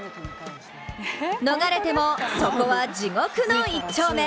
逃れてもそこは地獄の一丁目。